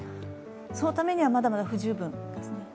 そのためにはまだまだ不十分ですね。